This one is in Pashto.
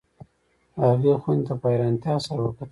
هغې خونې ته په حیرانتیا سره وکتل